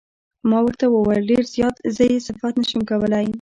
ما ورته وویل: ډېر زیات، زه یې صفت نه شم کولای.